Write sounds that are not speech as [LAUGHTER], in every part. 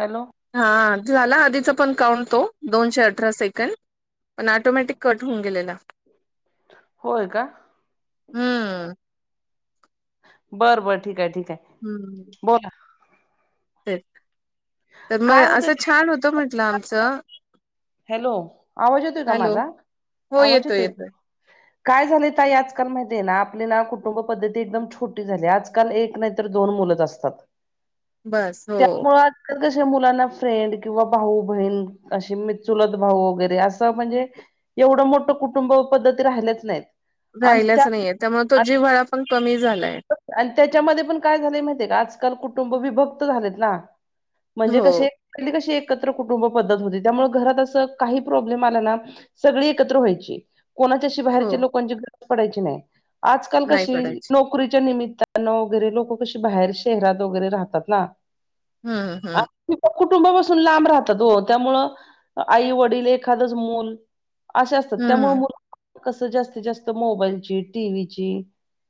Hello. हा झाला आधीचपण काउंट तो, दोनशे अठरा सेकंड. पण ऑटोमॅटिक कट होऊन गेलेला. होय का? हम्म बर बर ठीक हाय ठीक हाय. हं हं. बोला. ते, तर मग काय होतं असं ते छान होतं म्हटलं आमचं. हॅलो आवाज येतोय का हॅलो माझा, आवाज येतोय? [INAUDIBLE] काय झालंय ताई आजकाल माहिती आहे ना. आपली ना कुटुंब पद्धती एकदम छोटी झाली आहे. आजकाल एक नाही तर दोन मुलंच असतात, बस हो त्यामुळच तर कसे मुलांना फ्रेंड किंवा भाऊ बहीण अशी मित् चुलत भाऊ वगैरे असं म्हणजे, एवढं मोठं कुटुंब पद्धती राहिल्याच नाहीत. आणि त्या राहिलाच नाहीये, त्यामुळे तो जीव्हाळापण कमी झालाय. आणि त्याच्यामध्ये पण काय झालंय माहितीय का, आजकाल कुटुंब विभक्त झालेत ना. म्हणजे हो कसे आधी कशी एकत्र कुटुंब पद्धत होती त्यामुळे घरात असं काही प्रॉब्लेम आला ना, सगळी एकत्र व्हायची. कोणाची अशी हो बाहेरच्या लोकांची पडायची नाही. आजकाल नाही कशी पडायची नोक नोकरीच्या निमित्तानं वगैरे लोक कशी बाहेर शहरात वगैरे राहतात ना. हम्म हम्म [UNINTELLIGIBLE] कुटुंबापासून लांब राहतात हो त्यामुळं आई वडील एखादंच मूल असे असतात त्यामुळे हम्म मुल कसं जास्तीत जास्त मोबाईलची, टीव्हीची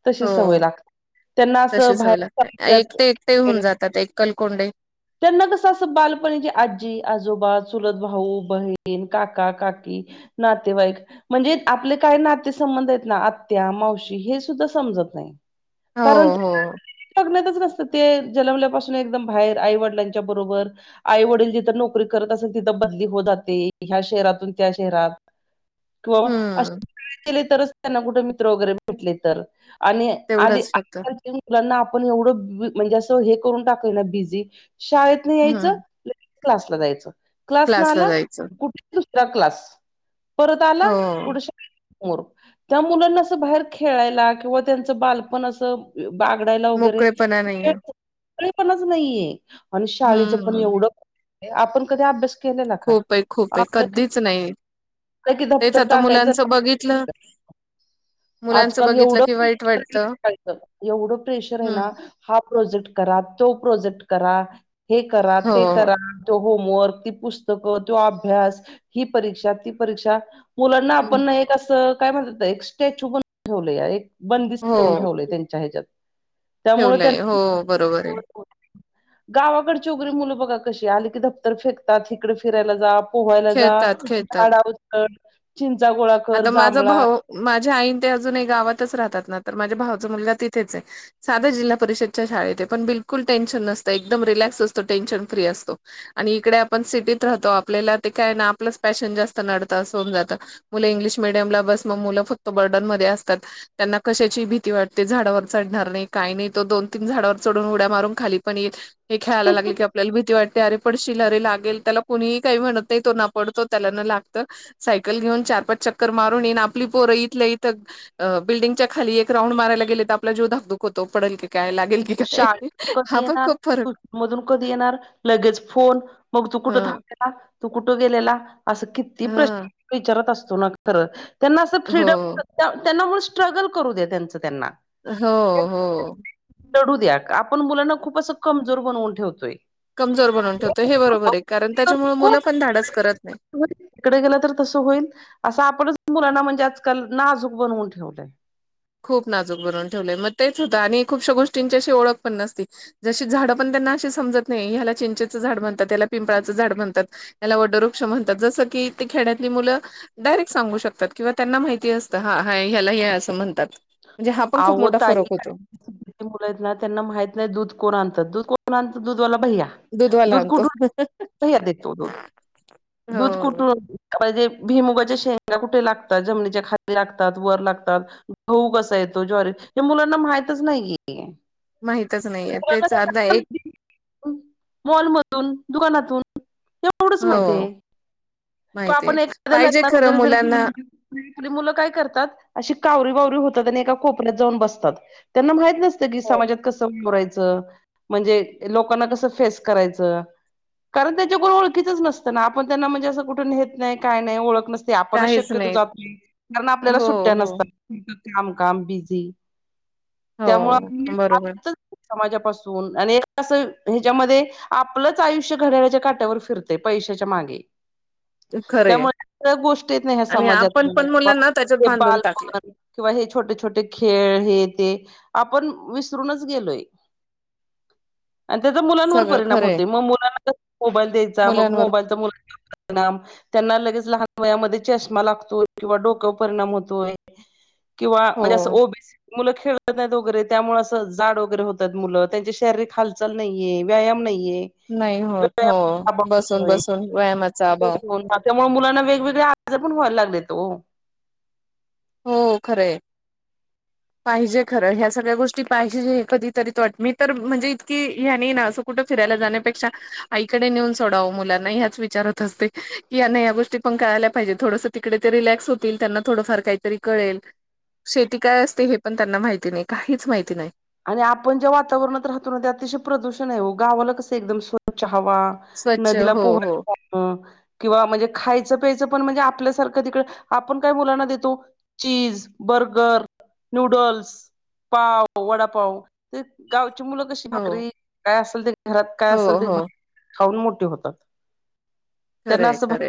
तशी सवय हो लागते. त्यांना तशी असं सवय लागते बाहेर एकटे एकटे होऊन जातात एकलकोंडे [UNINTELLIGIBLE] त्यांना कसं असं बालपणी आजी, आजोबा चुलत भाऊ, बहीण, काका, काकी नातेवाईक म्हणजे आपले काय नातेसंबंध आहेत ना आत्या, मावशी हेसुद्धा समजत नाही. हो हो. बगण्यातच कसं ते जन्मल्यापासून एकदम बाहेर, आईवडिलांच्या बरोबर आई वडील जिथं नोकरी करत असेल, तिथं बदली होत जाते. ह्या शहरातून त्या शहरात. किंवा हम्म असे केले तरच त्यांना कुठे मित्र वगैरे भेटले तर आणि आली तेवढंच फक्त [UNINTELLIGIBLE] मुलांना आपण एवढं म्हणजे असं हे करून टाकाय ना बिझी, शाळेतनं यायचं हम्म क्लासला जायचं. क्लासनं क्लासला आला, जायचं [UNINTELLIGIBLE] दुसरा क्लास. परत आला हो कुठं शा मोर त्या मुलांना असं बाहेर खेळायला किंवा त्यांचं बालपण असं बागडायला वगैरे मोकळेपणा नाहीये मीपणाच नाहीये आणि शाळेचंपण हम्म एवढं आपण कधी अभ्यास केले नां काल खूप आहे खूप आहे आपलं की कधीच नाही तेच आता टाकायचं मुलांचं [UNINTELLIGIBLE] बघितलं. मुलांचं आजकाल बघितलं एवढं की वाईट वाटतं प्रेशरचं [UNINTELLIGIBLE] एवढं प्रेशर आहे ना हम्म हा प्रोजेक्ट करा तो प्रोजेक्ट करा हे करा हो ते करा. तो होमवर्क ती पुस्तकं तो अभ्यास ही परीक्षा ती परीक्षा मुलांना हं. आपण एक असं काय म्हणतात ते एक स्टॅच्यू बनून ठेवले एक बंदिष्ट करून हो ठेवलंय त्यांच्या हेच्यात त्यामुळे ठेवलंय त्यांना हो बरोबर आहे गावाकडेची उकरी मुलं बघा कशी आली की दप्तर फेकतात हिककडे फिरायला जा पोहायला जा खेळतात खेळतात झाडा वर चढ चिंचा गोळाकर आता माझा जांभळा भाऊ माझ्या आईन ते अजून गावातच राहतात ना तर माझ्या भावचा मुलगा तिथेच आहे. साध्या जिल्हा परिषदच्या शाळेत पण बिलकुल टेनशन नसतं एकदम रिलॅक्स असतो टेन्शन फ्री असतो. आणि इकडे आपण सिटीत राहतो आपल्याला ते काय ना आपलंच पॅशन जास्त नडतं अस होऊन जात. मुलं इंग्लिश मिडियम ला बस मग मुलं फक्त बर्डनमध्ये असतात. त्यांना कशाची भीती वाटते झाडावर चढणार नाही काही नाही तो दोन तीन झाडावर चढून उड्या मारून खाली पण येईल हे खेळायला लागले कि आपल्याला भीती वाटते अरे पडशील अरे लागेल त्याला कुणीही काही म्हणत नाही तो ना पडतो त्याला ना लागत सायकल घेऊन चार पाच चक्कर मारून येन आपली पोरं इथल्या इथं अ बिल्डिंगच्या खाली एक राऊंड मारयला गेले तर आपला जीव धाक दुक होतो पडेल की काय लागेल शाळेतून कधी हा पण येणार खूप फरक आहे ट्युशन मधून कधी येणार लगेच फोन मग तू कुठं हं, थांबलेला तू कुठं गेलेला असं किती हं. प्रश्न विचारत असतो ना खरं त्यांना असं फ्रीडम हो, ते त्यांना मग स्ट्रगल करू दे त्यांचं त्यांना. हो हो. लढू द्या आपण मुलांना खूप असं कमजोर बनवून ठेवतोय. कमजोर बनवून ठेवतो हे बरोबर आहे कारण त्याच्यामुळे मुलं पण धाडस करत नाही. इकडे गेलं तर तसं होईल असं आपणच मुलांना म्हणजे आजकाल नाजूक बनवून ठेवलंय. खूप नाजूक बनवून ठेवलेय मग तेच होत आणि खूपश्या गोष्टींची अशी ओळख पण नसती जशी झाडं पण त्यांना अशी समजत नाही ह्याला चिंचेचं झाड म्हणतात याला पिंपळाचं झाड म्हणतात. त्याला वडवृक्ष म्हणतात जसं की ते खेणड्यातली मुलं डायरेक्ट सांगू शकतात किंवा त्यांना माहिती असतं हा हा ह्यालाही असं म्हणतात. म्हणजे हा पण खूप मोठा फरक होतो. मुला आहेत ना त्यांना माहित नाही दूध कोण आणतं दूध कोण आणतं दूधवाला भैया. दुधवाला दूध आणतो कुठून भैय्या तो दूध दूध हो. कुठून ते भिमुगाच्या शेंगा कुठे लागतात जमीनीच्या खाली लागतात वर लागतात गहू कसा येतो ज्वारी हे मुलांना माहितच नाही आहे. माहितच नाहीये तेच अर्धा एक मॉलमधून दुकानातून तेवढच माहित हो आहे माहितीय आपण एखाद्या पाहिजे लग्नाला खरं वगैरे जर मुलांना घेऊन आपली मुलं काय करतात अशी कावरी बावरी होतात आणि एका कोपऱ्यात जाऊन बसतात. त्यांना माहित नसतं की हो समाजात कसं उभ राहायचं म्हणजे लोकांना कसं फेस करायचं कारण त्यांच्या कोण ओळखीच नसतं ना आपण त्यांना म्हणजे असं कुठून हेेत नाही काय नाही ओळख नसत ते आपणच शक्यतो जात नाही कारण आपल्याला हो सुट्ट्या हो नसतात. काम काम बिझी हो त्यामुळे बरोबर आपणच [UNINTELLIGIBLE] समाजापासून आणि एकट असं हेच्यामध्ये आपलंच आयुष्य घड्याळ्याच्या काट्यावर फिरते पैशाच्या मागे. [INAUDIBLE] खरंय. त्यामुळे स गोष्ट येत नाही ह्या आणि समाजात आपण पण मुलांना त्याच्यात ते बांधून टाकले. बालपण [UNINTELLIGIBLE] किंवा हे छोटे छोटे खेळ हे ते आपण विसरूनच गेलोय. आणि त्याचा मुलांवर सगळं परिणाम खरंय होते मग मुलांना मोबाईल द्यायचा मग मुलांवर मोबाईलचा मुला. [INAUDIBLE] नाम. त्यांना लगेच लहान वयामध्ये, चष्मा लागतोय किंवा डोक्यावर परिणाम होतोय. किंवा हो म्हणजे असं ओबीसी मुलं खेळत नाहीत वगैरे त्यामुळे असं जाड वगैरे होतात मुलं त्यांची, शारीरिक हालचाल नाहीये व्यायाम नाहीये. नाही होत हो बसून बसून व्यायामाचा अभाव [UNINTELLIGIBLE] त्यामुळे मुलांना वेगवेगळे आजार पण व्हाय लागलेत ओ. हो खरे पाहिजे खरं ह्या सगळ्या गोष्टी पाहिजे जे कधीतरी तो वाट मी तर म्हणजे इतकी हह्यानी न असं कुठं फिरायला जाण्यापेक्षा आईकडे नेऊन सोडावं मुलांना ह्याच विचारत असते. की या गोष्टी पण कळायला पाहिजे थोडंसं, तिकडे ते रिलॅक्स होतील, त्यांना थोडं फार काय. तरी कळेल शेती काय असते हे, पण त्यांना माहिती नाही काहीच माहिती नाही. आणि आपण ज्या वातावरणात राहतो ना ते, अतिशय प्रदूषण आहे गावाला कसं एकदम स्वच्छ हवा. स्वच्छ नदीला हो पूर. हो हा किंवा म्हणजे खायचं प्यायचं पण म्हणजे आपल्यासारखं तिकडे आपण काय मुलांना देतो चीज, बर्गर, नूडल्स, पाव वडापाव ते गावची मुलं कशी हो भाकरी काय असेल ते घरात काय हो असेल ते हो भा खाऊन मोठे होतात. त्यांना खरंय असं, खरंय.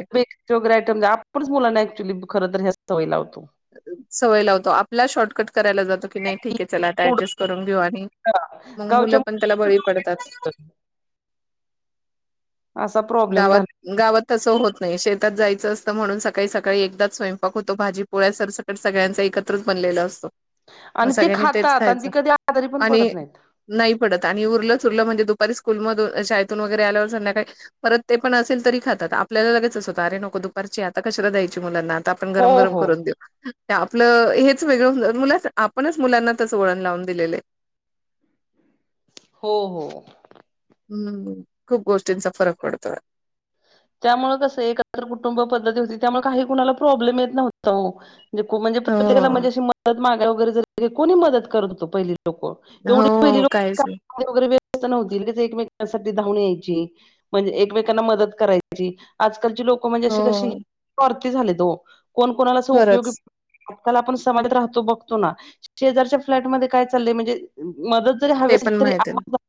चोगर आयटम द्या आपणच मुलाना ऍक्च्युली खरं तर हे सवय लावतो. सवय लावतो आपला शॉर्टकट करायला जातो की नाही ठीक आहे चला आता ऍडजस्ट करून घेऊ आणि मग गावच्या मुलं पण त्याला बळी पडतात. असा प्रॉब्लेम गावात झालायं. गावात तसं होत नाही शेतात जायचं असतं म्हणून सकाळी सकाळी एकदाच स्वयंपाक होतो भाजी पोळ्या सर सकट सगळ्यांचा एकत्रच बनलेला असतो. मग आणि ते सगळ्यांनी तेच खातात आणि खायचं ती कधी आजारी पण आणि पडत नाहीत नाही पडत आणि उरलंच सुरलं म्हणजे, दुपारी स्कूलमधून शाळेतून वगैरे आल्यावर संध्याकाळी. परत ते पण असेल तरी खातात आपल्याला लगेच असं होतं अरे नको दुपारची आता कशाला द्यायची मुलांना ता आपण हो गरम-गरम हो आपलं हेच वेगळं होवू उलट आपणच मुलांना तस वळण लावून दिलेलं. हो हो. हम्म खूप गोष्टींचा फरक पडतो. त्यामुळे कसं एकत्र कुटुंब पद्धती होती त्यामुळे काही कुणाला प्रॉब्लेम येत नव्हता. म्हे म्हणजे प्रत्येकाला हो, म्हणजे अशी मदत मागाय वगैरे, जरी की कोणी मदत करत होती लोकं. एवढी पहिली हो लोकं. काहीच नाही. [UNINTELLIGIBLE] व्यस्त नव्हती ऐकमेकांसाठी धावून यायची म्हणजे एकमेकांना मदत करायची आजकालची लोकं म्हणजे अशी कशी हो, स्वार्थी झालेत हो. कोण कोणाला असं उपयोगी खरंच आता आपण समाजात राहतो बघतो ना. शेजारच्या फ्लॅट मध्ये काय चाललंय म्हणजे मदत, ते पण माहिती नाही [UNINTELLIGIBLE]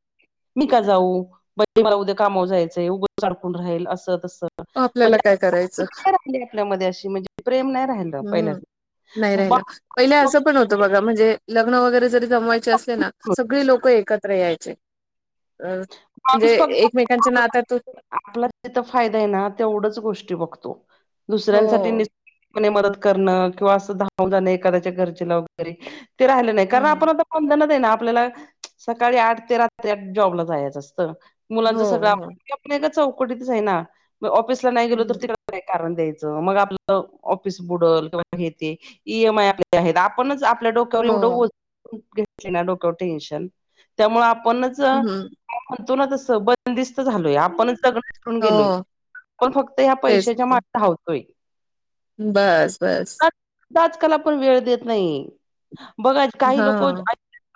मी का जाऊ बजे मला उद्या कामावर जायचंय. [UNINTELLIGIBLE] कोण राहील असं म्हणजे तसं आपल्याला काय म्हणजे करायचं. [UNINTELLIGIBLE] मध्ये अशी म्हणजे प्रेम नाय राहिला. हम्म नाही राहिलं पहिले असं पण होत त बघा म्हणजे लग्न वगैरे जरी जमवायचे असले ना सगळी लोक एकत्र यायचे. अ म्हणजे माणूस एकमेकांच्या फक्त नात्यात आपला तिथं फायदा आहे ना तेवढंच गोष्टी बघतो दुसऱ्यांसाठी हो, नि. [INAUDIBLE] मने मदद करणं किंवा असं धावून जाणे एखाद्याच्या घरचेला वगैरे ते राहिलं नाही कारण हम्म, आपण आता बंधनात आहे ना, आपल्याला सकाळी आठ ते रात्री आठ जॉबला जायचं असतं. हो, मुलांचा सगळं हो, [INAUDIBLE] का चौकटीतच आहे ना मग ऑफिसला नाही गेलो तर हम्म, तिकडं कारण द्यायचं मग, आपलं ऑफिस बुडल किंवा हे ते. ई एम आय आपल्या आहेत, आपणच आपल्या डोक्या हो, एवढं [UNINTELLIGIBLE] डोक टेन्शन त्यामुळे आपणच. हम्म. म्हण तो ना तसं बंदिस्त. झालोय आपण जगून गेलोय, हो, आपण फक्त या तेच पैशाच्या तर. माग धावतोय. बस बस. आजकाल आपण वेळ देत नाही, बघा काही लोक. हां,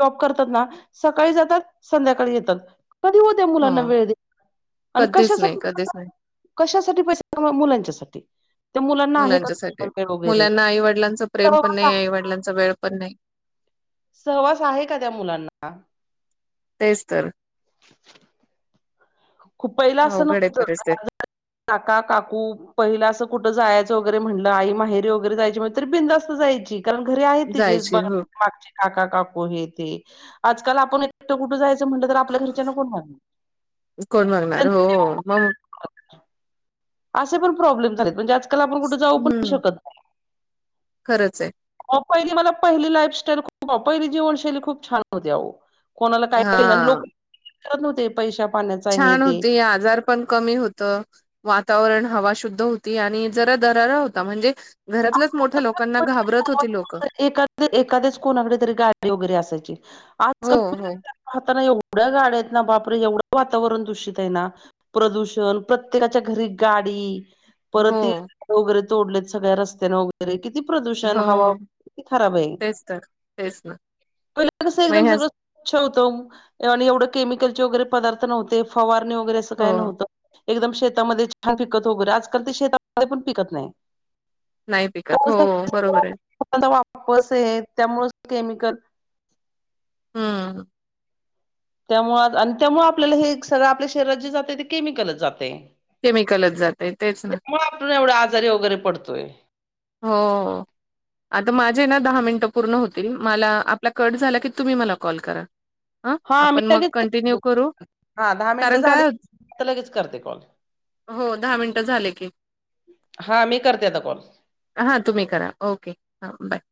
जॉब करतात ना सकाळी जातात. संध्याकाळी येतात कधी. त्या मुलांना हो, वेळ दे, आणि कधीच नाही, कशासाठी. कधीच नाही. कशासाठी पैसे मुलांच्यासाठी. त्या मुलांना आहे का मुलांच्या साठी वेळ वगैरे मुलांना आईवडिलांचा प्रेम पण सहवास नाही आईवडिलांचा वेळ पण नाही. सहवास आहे का त्या मुलांना. तेच तर. खूप पहिला असं अवघड आहे नव्हतं. [INAUDIBLE] काका काकू पहिला असं कुठं जायचं, वगैरे म्हणलं आई माहेरी वगैरे जायची. म्हणली तरी बिनधास्त जायची. कारण घरी आहेत तीजे जायची हो मागचे काका काकू हे ते आजकाल आपण एक कुठे जायच आपण म्हटलं तर, आपल्या घरच्यां कोण [UNINTELLIGIBLE] कोण बघणार हो मग. असे पण प्रॉब्लेम झालेत म्हणजे आजकाल आपण कुठे जाऊ पण नाही हम्म शकत. नाही खरंच आहे. पहिली मला पहिली लाईफस्टाईल खूप पहिली जीवनशैली खूप छान होती. कोणाला काय हा लोकत नव्हते, पैशा पाण्याच हे ते. हे आजार. पण कमी होत वातावरण हवा शुद्ध होती आणि जरा दरारा होता म्हणजे घरातल्याच मोठ्या लोकांना घाबरत होती लोक. तर एखाद एखाद्याच कोणाकडे तरी गाडी वगैरे असायची हो आजकाल हो आताना एवढ्या गाड्या आहेत ना, बापरे एवढं वातावरण दूषित आहे ना. प्रदूषण प्रत्येकाच्या घरी गाडी. परत हो. [UNINTELLIGIBLE] वगैरे तोडलेत सगळ्या रस्त्याने वगैरे किती प्रदूषण हो हव. किती खराब आहे तेच तर तेच ना पहिलं, कस मग एकदम ह्याच सगळं. छे होतो आणि एवढं केमिकलचे वगैरे पदार्थ नव्हते फवारणी वगैरे असं काय हो. नव्हतं. एकदम शेतामध्ये छान पिकत वगैरे, आजकाल ते शेतामध्ये पण पिकत नाही. नाही पिकत हो बरोबर आहे. आता वापस ये त्यामुळे केमिकल. हम्म. त्यामुळेळ आणि त्यामु आपल्याला हे सगळं आपल्या शरीरात जे जाते ते केमिकलच जाते. केमिकलच जाते, तेच ना. कोन आपल एवढ आजारी वगैरे पडतोय. हो. आता माझे ना दहा मिनिटं पूर्ण होतील मला आपला कट झाला की तुम्ही मला कॉल करा. ह हा मी आपण मग लगेच कंटिन्यू करते, करू. हा दहा मिनिट कारण झाली, काय तर लगेच करते कॉल. हो दहा मिनटं झाले की. हा मी करते आता कॉल. हां तुम्ही करा ओके हां बाय.